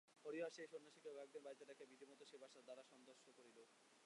হরিহর সেই সন্ন্যাসীকে কয়েকদিন বাড়িতে রাখিয়া বিধিমত সেবার দ্বারা সন্তুষ্ট করিল।